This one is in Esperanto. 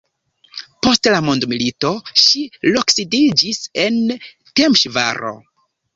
Post la mondmilito ŝi loksidiĝis en Temeŝvaro.